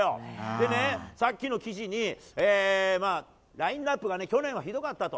でね、さっきの記事にラインナップがね、去年はひどかったと。